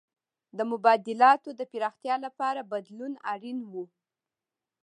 د مبادلاتو د پراختیا لپاره بدلون اړین و.